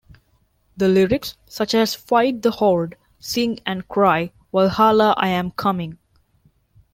The lyrics, such as Fight the horde, sing and cry, 'Valhalla, I am coming!